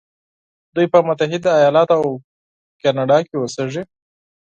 دوی په متحده ایلاتو او کانادا کې اوسیږي.